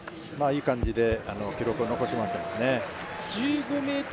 いい感じで記録を残しましたね。